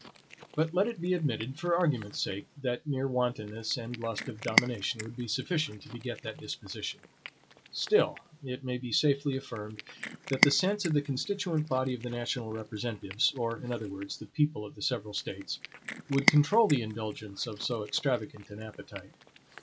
But let it be admitted, for argument's sake, that mere wantonness and lust of domination would be sufficient to beget that disposition; still it may be safely affirmed, that the sense of the constituent body of the national representatives, or, in other words, the people of the several States, would control the indulgence of so extravagant an appetite.